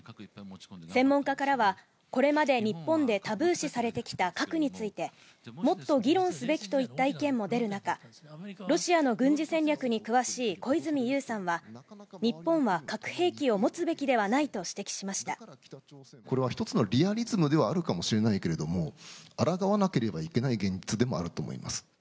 専門家からは、これまで日本でタブー視されてきた核について、もっと議論すべきといった意見も出る中、ロシアの軍事戦略に詳しい小泉悠さんは、日本は核兵器を持つべきこれは一つのリアリズムではあるかもしれないけれども、あらがわなければいけない現実でもあると思います。